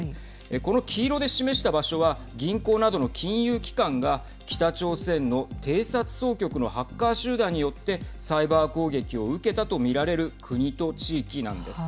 この黄色で示した場所は銀行などの金融機関が北朝鮮の偵察総局のハッカー集団によってサイバー攻撃を受けたと見られる国と地域なんです。